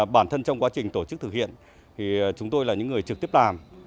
bản thân trong quá trình tổ chức thực hiện thì chúng tôi là những người trực tiếp làm